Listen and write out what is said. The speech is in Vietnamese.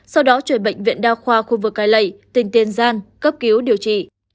sau đó chuyển bệnh viện đao khoa khu vực cài lẩy tình tiên gian cấp cứu điều trị